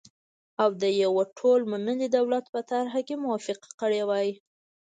او د يوه ټول منلي دولت په طرحه یې موافقه کړې وای،